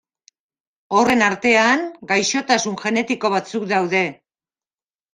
Horren artean, gaixotasun genetiko batzuk daude.